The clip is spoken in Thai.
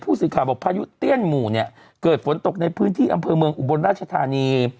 สื่อข่าวบอกพายุเตี้ยนหมู่เนี่ยเกิดฝนตกในพื้นที่อำเภอเมืองอุบลราชธานี